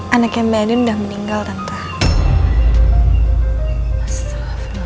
anaknya andin udah meninggal tante